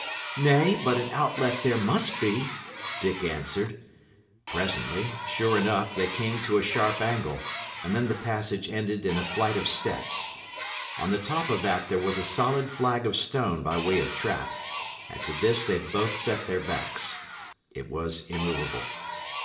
"Nay, but an outlet there must be!" Dick answered. Presently, sure enough, they came to a sharp angle, and then the passage ended in a flight of steps. On the top of that there was a solid flag of stone by way of trap, and to this they both set their backs. It was immovable.